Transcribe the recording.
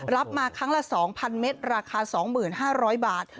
รับมาครั้งละ๒๐๐เมตรราคา๒๕๐๐บาท